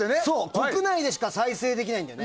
国内でしか再生できないんだよ。